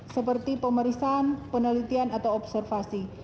seperti pemeriksaan penelitian atau observasi